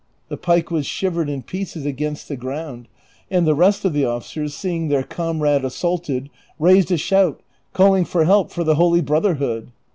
The pike was shivered in pieces against the ground; and the rest of the officers, seeing their comrade assaulted, raised a shout, call ing for help for the Holy Brotherhood.